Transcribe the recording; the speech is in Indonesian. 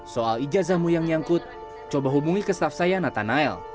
soal ijazahmu yang nyangkut coba hubungi ke staf saya nathanael